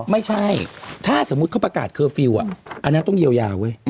ไม่ใช่ถ้าสมมุติเขาประกาศเคอร์ฟิลล์อันนั้นต้องเยียวยาเว้ย